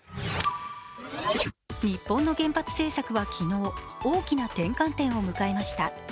日本の原発政策は昨日、大きな転換点を迎えました。